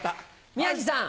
宮治さん。